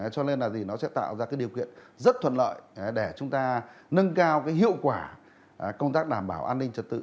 cho nên là nó sẽ tạo ra điều kiện rất thuận lợi để chúng ta nâng cao hiệu quả công tác đảm bảo an ninh trật tự